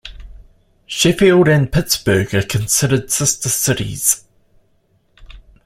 Sheffield and Pittsburgh are considered sister cities.